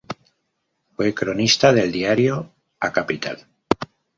Fue cronista del diario "A Capital".